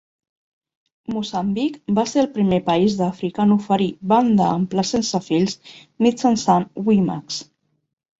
Moçambic va ser el primer país d'Àfrica en oferir banda ampla sense fils mitjançant WiMax.